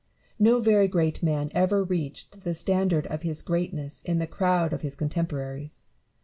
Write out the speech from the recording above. No very great man ever reached the standard of his great ness in the crowd of his contemporaries.